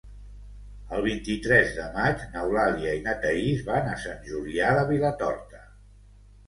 El vint-i-tres de maig n'Eulàlia i na Thaís van a Sant Julià de Vilatorta.